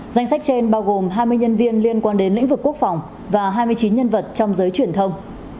danh sách trên bao gồm hai mươi nhân viên liên quan đến lĩnh vực quốc phòng và hai mươi chín nhân vật trong giới truyền thông